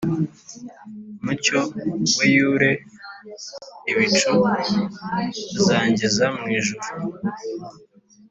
Mucyo weyure ibicu, Azangeza mw’ ijuru.